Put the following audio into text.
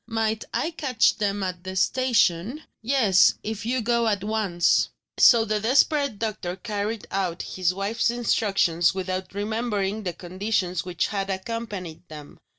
"Might I catch them at the station?" "Yes; if you go at once." So the desperate doctor carried out his wife's instructions without remembering the conditions which had accompanied them.